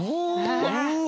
うわ！